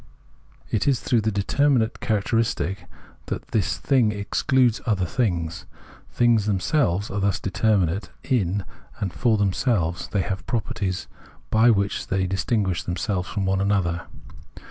It is through the determinate character istic that the thing excludes other things. Things themselves are thus determinate in and for them selves ; they have properties by which they distin guish themselves from one another.